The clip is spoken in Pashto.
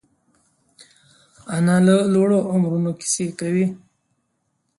انا له لوړو عمرونو کیسې کوي